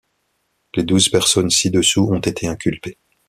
Les douze personnes ci-dessous ont été inculpées.